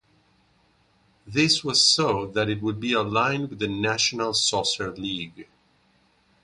This was so that it would be aligned with the National Soccer League.